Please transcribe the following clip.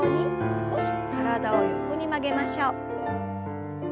少し体を横に曲げましょう。